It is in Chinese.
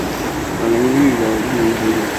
两人育有一名子女。